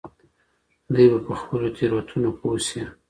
دوی به په خپلو تیروتنو پوه سي.